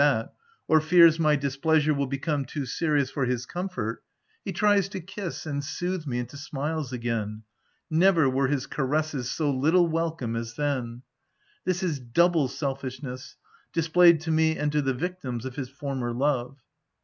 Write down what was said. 81 that, or fears my displeasure will become too serious for his comfort, he tries to kiss and sooth me into smiles again — never were his caresses so little welcome as then! This is double selfishness, displayed to me and to the victims of his former love.